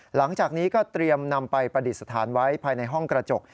หลังจากนี้ก็เตรียมนำไปประดิษฐานไว้ภายในห้องกระจก